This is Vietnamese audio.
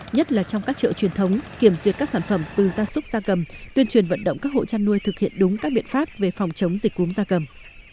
nhất là trong các chợ truyền thống kiểm duyệt các sản phẩm từ gia súc gia cầm tuyên truyền vận động các hộ chăn nuôi thực hiện đúng các biện pháp về phòng chống dịch cúm da cầm